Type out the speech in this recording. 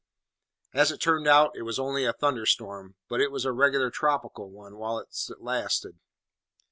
As it turned out, it was only a thunderstorm, but it was a regular tropical one whilst it lasted.